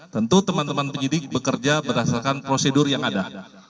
tentu teman teman penyidik bekerja berdasarkan prosedur yang ada